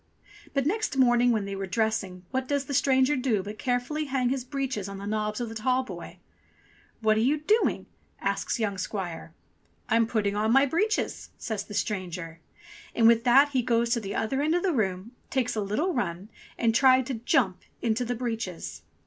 But next morning when they were dressing what does the stranger do but carefully hang his breeches on the knobs of the tallboy. ''What are you doing?" asks young squire. "I'm putting on my breeches," says the stranger; and with that he goes to the other end of the room, takes a little run, and tried to jump into the breeches.